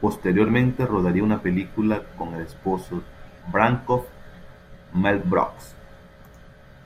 Posteriormente rodaría una película con el esposo de Bancroft, Mel Brooks.